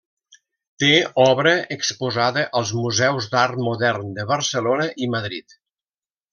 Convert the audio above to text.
Té obra exposada als museus d'art modern de Barcelona i Madrid.